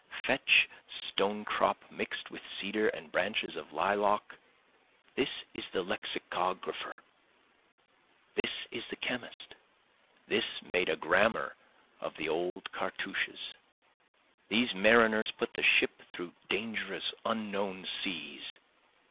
Fetch stonecrop mixt with cedar and branches of lilac, This is the lexicographer, this the chemist, this made a grammar of the old cartouches, These mariners put the ship through dangerous unknown seas.